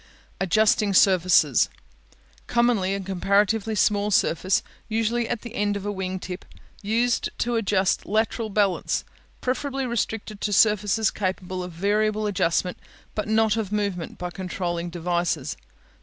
Adjusting Surfaces Commonly a comparatively small surface, usually at the end of a wing tip, used to adjust lateral balance; preferably restricted to surfaces capable of variable adjustment, but not of movement by controlling devices.